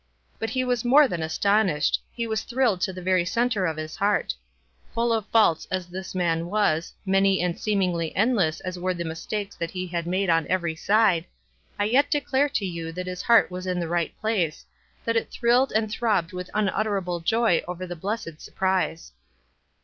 But he was more than astonished — he was thrilled to the very center of his heart. Full of faults as this man was, many and seemingly endless as were the mistakes that he made on every side, I yet de clare to you that his heart was in the right place, that it thrilled and throbbed with unutterable joy over the blessed surprise.